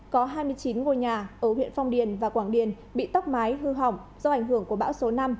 có hai mươi chín ngôi nhà ở huyện phong điền và quảng điền bị tốc mái hư hỏng do ảnh hưởng của bão số năm